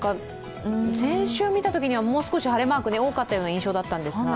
先週見たときにはもう少し晴れマーク多かった印象だったんですが。